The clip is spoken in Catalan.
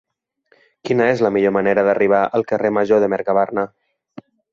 Quina és la millor manera d'arribar al carrer Major de Mercabarna?